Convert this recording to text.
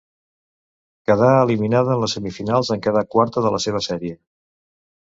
Quedà eliminada en les semifinals en quedar quarta de la seva sèrie.